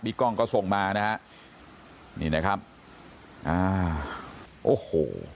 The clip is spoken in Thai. กล้องก็ส่งมานะฮะนี่นะครับอ่าโอ้โห